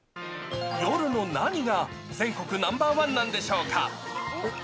夜の何が全国ナンバー１なんでしょうか。